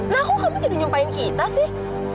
nah kok kamu jadi nyumpain kita sih